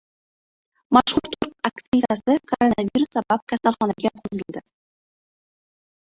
Mashhur turk aktrisasi koronavirus sabab kasalxonaga yotqizildi